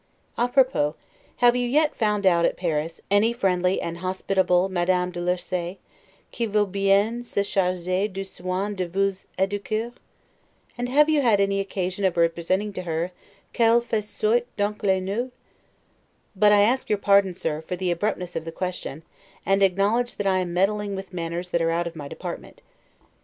'A propos', have you yet found out at Paris, any friendly and hospitable Madame de Lursay, 'qui veut bien se charger du soin de vous eduquer'? And have you had any occasion of representing to her, 'qu'elle faisoit donc des noeuds'? But I ask your pardon, Sir, for the abruptness of the question, and acknowledge that I am meddling with matters that are out of my department.